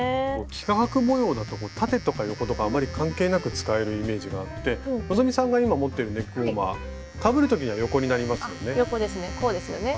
幾何学模様だと縦とか横とかあんまり関係なく使えるイメージがあって希さんが今持ってるネックウォーマーかぶる時には横になりますよね。